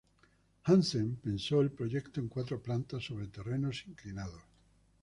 Hansen pensó el proyecto en cuatro plantas sobre terrenos inclinados.